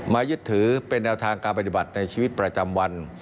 ยึดถือเป็นแนวทางการปฏิบัติในชีวิตประจำวัน